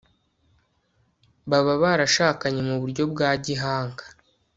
baba barashakanye mu buryo bwa gihanga